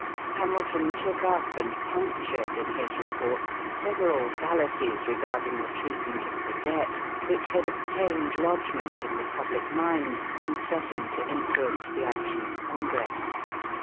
Hamilton took up and punctured in his report several fallacies regarding the treatment of the debt which had obtained lodgment in the public mind and threatened to influence the action of Congress.